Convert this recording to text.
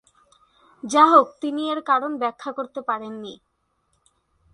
যাহোক, তিনি এর কারণ ব্যাখ্যা করতে পারেন নি।